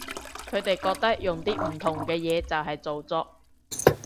佢哋覺得用啲唔同嘅嘢就係造作